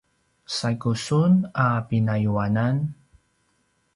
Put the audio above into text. saigu sun a pinayuanan?